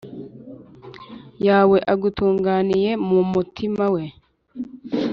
yawe agutunganiye mu mutima we